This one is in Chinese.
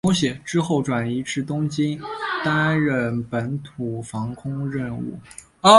之后转移至东京担任本土防空任务。